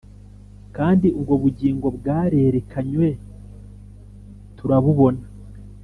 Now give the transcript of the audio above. kandi ubwo Bugingo bwarerekanywe turabubona